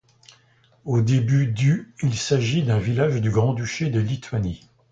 Au début du il s'agit d'un village du Grand-duché de Lituanie.